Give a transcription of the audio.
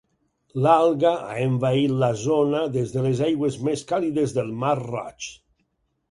L'alga ha envaït la zona des de les aigües més càlides del mar Roig.